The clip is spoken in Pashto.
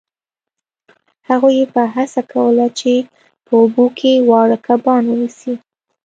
هغوی به هڅه کوله چې په اوبو کې واړه کبان ونیسي